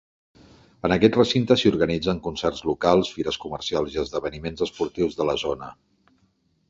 En aquest recinte s'hi organitzen concerts locals, fires comercials i esdeveniments esportius de la zona.